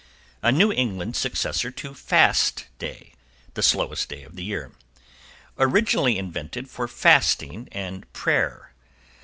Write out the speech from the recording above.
= A New England successor to FAST DAY the slowest day of the year. Originally invented for Fasting and Prayer.